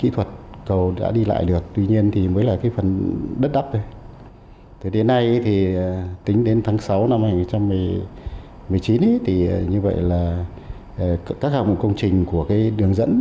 thì đến nay thì tính đến tháng sáu năm hai nghìn một mươi chín thì như vậy là các hạng mục công trình của cái đường dẫn